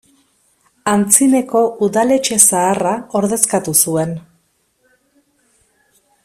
Antzineko Udaletxe Zaharra ordezkatu zuen.